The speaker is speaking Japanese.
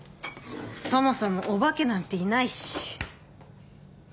そもそもお化けなんていないし。